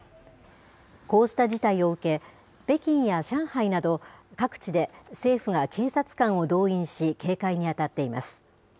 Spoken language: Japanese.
こうした事態を受け、北京や上海など、各地で政府が警察官を動員し、警戒に当たっています。